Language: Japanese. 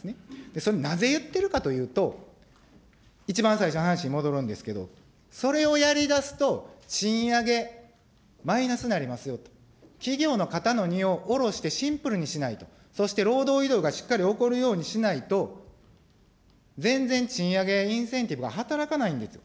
それなぜ言ってるかというと、一番最初の話に戻るんですけど、それをやりだすと、賃上げマイナスになりますよと、企業の肩の荷をおろしてシンプルにしないと、そして労働移動がしっかり起こるようにしないと、全然賃上げインセンティブが働かないんです。